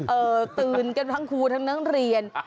ตื่นกันทั้งครูทั้งนักเรียน